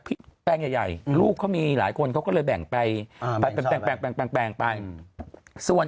แปลงใหญ่ลูกเขามีหลายคนเขาก็เลยแบ่งไปแปลงไปส่วน